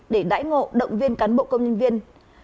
để đải ngộ động viên cán bộ công nhân viên